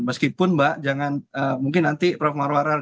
meskipun mbak jangan mungkin nanti prof marwarar